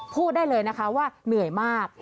พูดได้เลยนะคะว่าเหนื่อยมาก